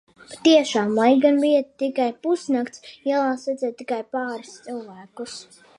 Patiešām, lai gan bija tikai pusnakts, ielās redzēju tikai pāris cilvēkus.